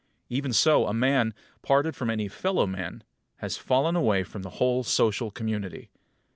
Even so a man, parted from any fellow man, has fallen away from the whole social community.